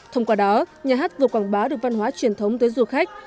thông qua đó nhà hát vừa quảng bá được văn hóa truyền thống tới du khách